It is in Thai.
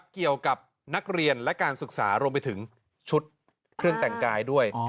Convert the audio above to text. เกี่ยวกับนักเรียนและการศึกษารวมไปถึงชุดเครื่องแต่งกายด้วย